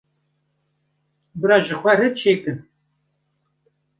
bira ji xwe re çê kin.